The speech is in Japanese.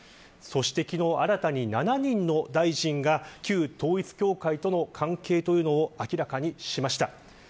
昨日、新たに７人の大臣が旧統一教会との関係を明らかにしました。